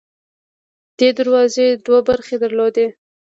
دې دروازې دوه برخې درلودې.